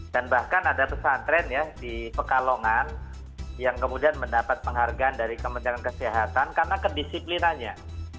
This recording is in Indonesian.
dan bahkan ada pesantren ya di pekalongan yang kemudian mendapat penghargaan dari kementerian kesehatan karena kedisiplinanya